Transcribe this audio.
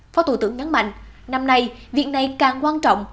phó tủ tướng nhắn mạnh năm nay việc này càng quan trọng